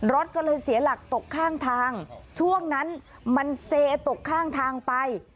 รถก็เลยเสียหลักตกข้างทางช่วงนั้นมันเซตกข้างทางไป